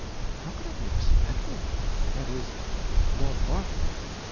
How could I be expected? that is, Lord Berkeley.